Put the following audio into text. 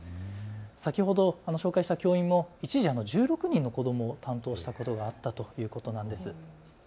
先ほど紹介した教員も一時、１６人の子どもを担当したことがあったということなんです。